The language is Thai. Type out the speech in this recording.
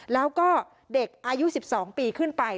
แล้วก็เด็กอายุ๑๒ปีขึ้นไป